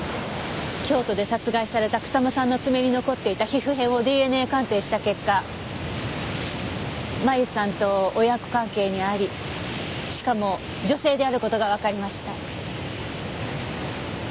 京都で殺害された草間さんの爪に残っていた皮膚片をＤＮＡ鑑定した結果麻由さんと親子関係にありしかも女性である事がわかりました。